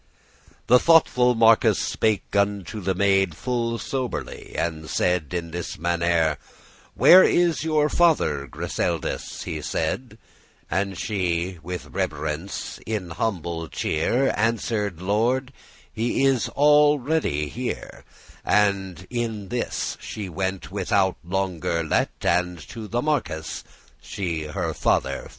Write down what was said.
The thoughtful marquis spake unto the maid Full soberly, and said in this mannere: "Where is your father, Griseldis?" he said. And she with reverence, *in humble cheer,* *with humble air* Answered, "Lord, he is all ready here." And in she went withoute longer let* *delay And to the marquis she her father fet.